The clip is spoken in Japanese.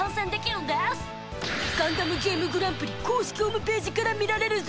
ガンダムゲームグランプリ公式ホームページから見られるぞ！